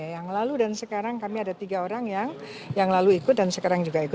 yang lalu dan sekarang kami ada tiga orang yang lalu ikut dan sekarang juga ikut